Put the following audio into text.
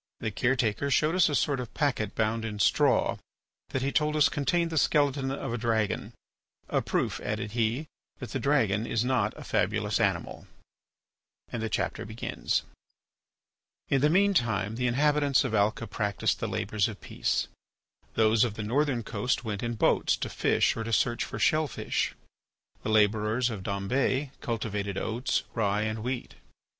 ... The care taker showed us a sort of packet bound in straw that he told us contained the skeleton of a dragon; a proof, added he, that the dragon is not a fabulous animal."—Memoirs of Jacques Casanova, Paris, 1843. Vol. IV., pp. 404, 405 In the meantime the inhabitants of Alca practised the labours of peace. Those of the northern coast went in boats to fish or to search for shell fish. The labourers of Dombes cultivated oats, rye, and wheat.